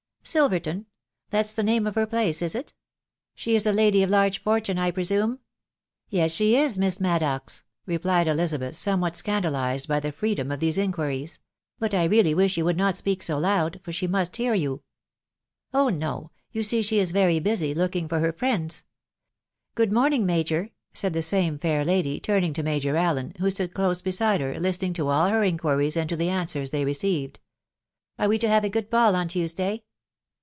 " Silverton ?.... That's the name of her place, is it ?... She is a lady of large fortune, I presume ?"" Yes, she is, Miss Maddox," replied Elizabeth, somewhat scandalised by die freedom of these inquiries ;" bat I really wish you would not speak so loud, for she must hear you." "Oh no !.,.. You see she is very busy looking for her friends. Good morning, Major!" said the same fair lady, turning to. Major Allen, who stood close beside her, listening to all her inquiries and to the answers they, received. " Are we to have a good ball on Tuesday?"